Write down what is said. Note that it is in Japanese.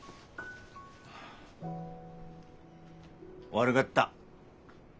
悪がった。